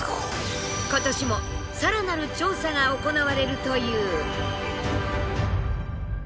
今年もさらなる調査が行われるという。